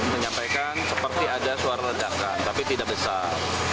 menyampaikan seperti ada suara ledakan tapi tidak besar